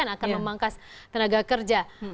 akan memangkas tenaga kerja